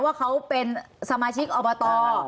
ว่าเขาเป็นสมาชิกอบต